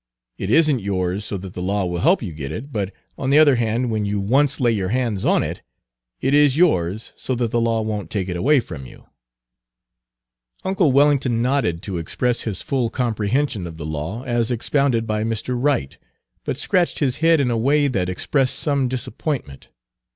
It is n't yours so that the law will help you get it; but on the other hand, when you once lay your hands on it, it is yours so that the law won't take it away from you." Uncle Wellington nodded to express his full comprehension of the law as expounded by Mr. Wright, but scratched his head in a way that expressed some disappointment.